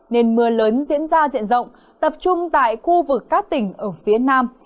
nên mưa lớn diễn ra diện rộng tập trung tại khu vực các tỉnh ở phía nam